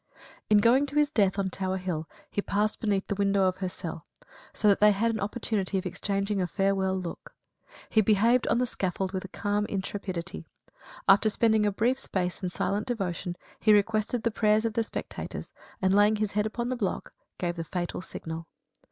In going to his death on Tower Hill, he passed beneath the window of her cell; so that they had an opportunity of exchanging a farewell look. He behaved on the scaffold with calm intrepidity. After spending a brief space in silent devotion, he requested the prayers of the spectators, and, laying his head upon the block, gave the fatal signal.